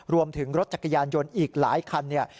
รวมถึงรถจักรยานยนต์อีกหลายคันเนี่ย